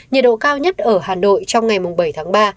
nhiệt độ cao nhất ở hà nội trong ngày bảy tháng ba